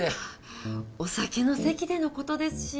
あっお酒の席でのことですし。